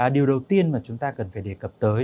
điều đầu tiên mà chúng ta cần phải đề cập tới